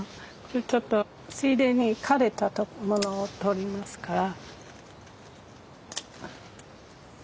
ちょっとついでに枯れたものを取りますから。